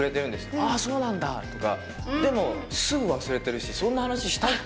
ああ、そうなんだとか、でも、すぐ忘れてるし、そんな話したっけ？